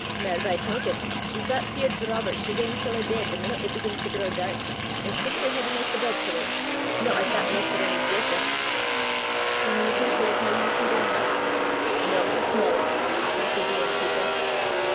Mair by token, she's that feart for robbers she gangs til her bed the meenute it begins to grow dark, an' sticks her heid 'aneth the bed claes no 'at that maks her ony deifer!" "Then you think there is no use in going up?" "Not the smallest," answered the inn keeper.